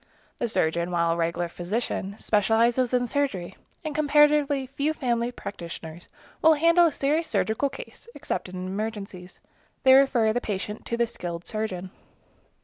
The surgeon, while a regular physician, specializes in surgery, and comparatively few family practitioners will handle a serious surgical case, except in emergencies. They refer the patient to the skilled surgeon.